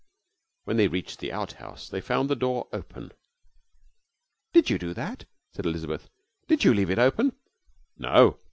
When they reached the outhouse they found the door open. 'Did you do that?' said Elizabeth. 'Did you leave it open?' 'No.'